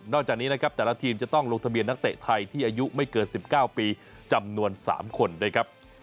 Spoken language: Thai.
จากนี้นะครับแต่ละทีมจะต้องลงทะเบียนนักเตะไทยที่อายุไม่เกิน๑๙ปีจำนวน๓คนด้วยครับ